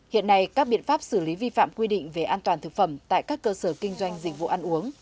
hiện nay các biện pháp xử lý vi phạm quy định về an toàn thực phẩm tại các cơ sở kinh doanh dịch vụ ăn uống